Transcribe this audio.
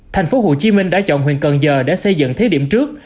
thành phố hồ chí minh đã chọn huyện cần giờ để xây dựng thế điểm trước